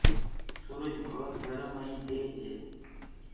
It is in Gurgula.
سُرج ڀوت گرم ايڪ لوڪو هي۔